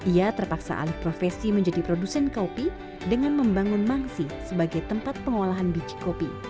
ia terpaksa alih profesi menjadi produsen kopi dengan membangun mangsi sebagai tempat pengolahan biji kopi